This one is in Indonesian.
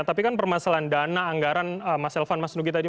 tapi kan permasalahan dana anggaran mas elvan mas nugi tadi